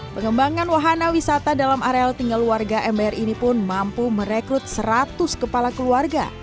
pengembangan wahana wisata dalam areal tinggal warga mbr ini pun mampu merekrut seratus kepala keluarga